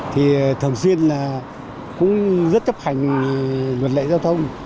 thì thường xuyên là cũng rất chấp hành luật lệ giao thông